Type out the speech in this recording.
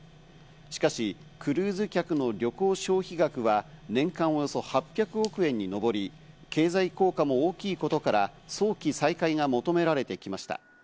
しかし、クルーズ客の旅行消費額は年間およそ８００億円にのぼり、経済効果も大きいことから早期再開が求められてきました。